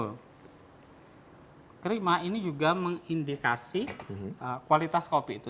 nah krema ini juga mengindikasi kualitas kopi itu